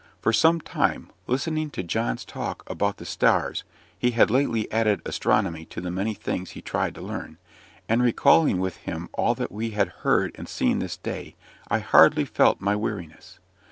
For some time, listening to John's talk about the stars he had lately added astronomy to the many things he tried to learn and recalling with him all that we had heard and seen this day, I hardly felt my weariness.